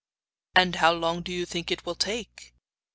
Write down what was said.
'And how long do you think it will take?